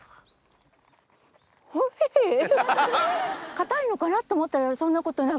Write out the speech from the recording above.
硬いのかなと思ったらそんなことなくて。